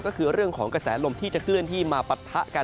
ก็คือเรื่องของกระแสลมที่จะเคลื่อนที่มาปะทะกัน